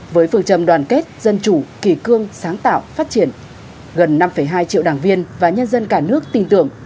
với phương trầm đoàn kết dân chủ kỳ cương sáng tạo phát triển gần năm hai triệu đảng viên và nhân dân cả nước tin tưởng